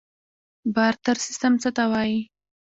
بارتر سیستم څه ته وایي؟